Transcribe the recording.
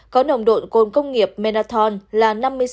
côn công nghiệp menathon là năm mươi sáu